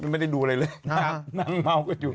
ไม่ได้ดูอะไรเลยนั่งเม้าก็อยู่